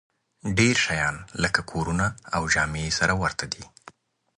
ډېر شیان لکه کورونه او جامې یې سره ورته دي